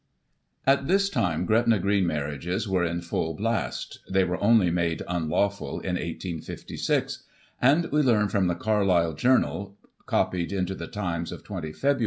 At this time, Gretna Green marriages were in full blast (they were only made unlawful in 1856), and we learn from the Carlisle Journal^ copied into the Times of 20 Feb.